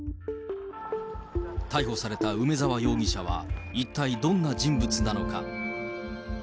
逮捕された梅沢容疑者は、一体どんな人物なのか。